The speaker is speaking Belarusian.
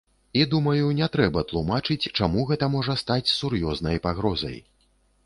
І думаю, не трэба тлумачыць, чаму гэта можа стаць сур'ёзнай пагрозай.